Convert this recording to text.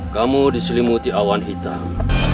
kamu diselimuti awan hitam